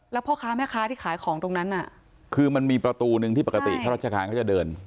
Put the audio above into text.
แล้วพ่อค้าแม่ค้าที่ขายของตรงนั้นน่ะคือมันมีประตูหนึ่งที่ปกติข้าราชการเขาจะเดิน